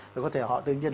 rồi có thể họ tự nhiên